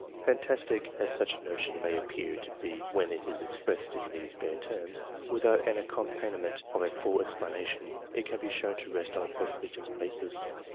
Fantastic as such a notion may appear to be when it is expressed in these bare terms, without the accompaniment of a full explanation, it can be shown to rest on a perfectly just basis.